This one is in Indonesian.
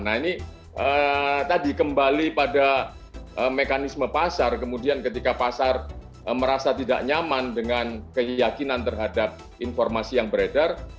nah ini tadi kembali pada mekanisme pasar kemudian ketika pasar merasa tidak nyaman dengan keyakinan terhadap informasi yang beredar